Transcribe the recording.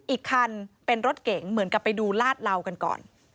อีกคันเป็นรถเก๋งเหมือนกับไปดูลาดเหลากันก่อน